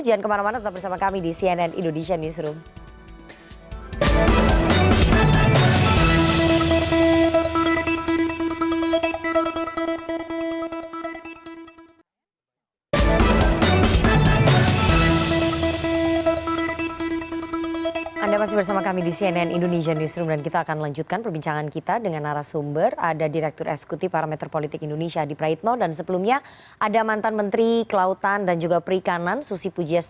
jangan kemana mana tetap bersama kami di cnn indonesia news